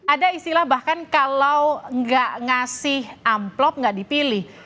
ada istilah bahkan kalau nggak ngasih amplop nggak dipilih